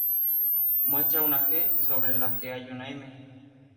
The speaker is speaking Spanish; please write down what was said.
Muestra una "G", sobre la que hay una "M".